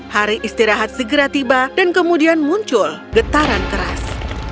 hari istirahat segera tiba dan kemudian muncul getaran keras